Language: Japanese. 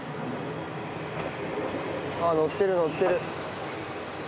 ああ乗ってる乗ってる。